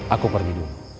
aku pergi dulu